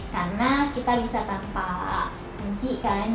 karena kita bisa tanpa kunci kan